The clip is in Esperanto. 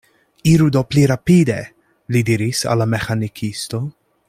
Iru do pli rapide, li diris al la meĥanikisto.